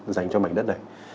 dành cho mảnh đất này